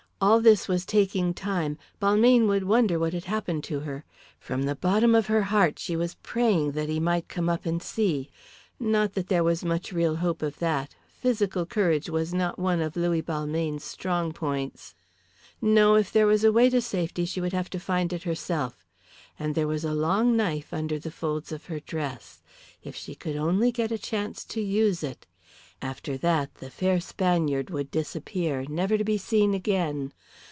All this was taking time. Balmayne would wonder what had happened to her. From the bottom of her heart she was praying that he might come up and see. Not that there was much real hope of that physical courage was not one of Louis Balmayne's strong points. No, if there was a way to safety she would have to find it herself. And there was a long knife under the folds of her dress. If she could only get a chance to use it! After that the fair Spaniard would disappear, never to be seen again.